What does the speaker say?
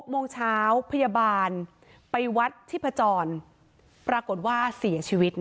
โมงเช้าพยาบาลไปวัดที่พจรปรากฏว่าเสียชีวิต